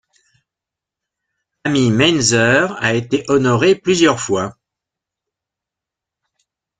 Amy Mainzer a été honorée plusieurs fois.